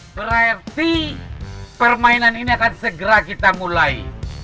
berarti permainan ini akan segera kita mulai